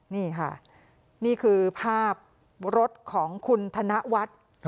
นี่ค่ะนี่คือภาพรถของคุณธนวัฒน์